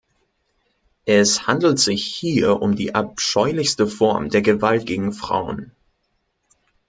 Es handelt sich hier um die abscheulichste Form der Gewalt gegen Frauen.